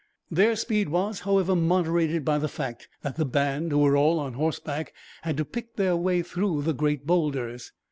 Their speed was, however, moderated by the fact that the band, who were all on horseback, had to pick their way through the great boulders.